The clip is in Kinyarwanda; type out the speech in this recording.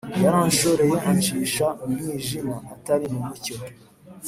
Yaranshoreye ancisha mu mwijima, Atari mu mucyo.